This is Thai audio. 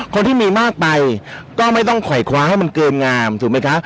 คนที่มีมากไปก็ไม่ต้องไวคว้าให้มันเกินงามถูกไหมคะ